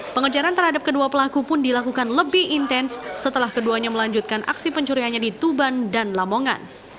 pengejaran terhadap kedua pelaku pun dilakukan lebih intens setelah keduanya melanjutkan aksi pencuriannya di tuban dan lamongan